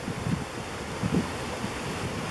ترکی کے بعد یہ قافلہ بکھر گیا